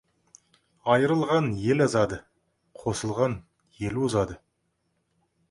Айырылған ел азады, қосылған ел озады.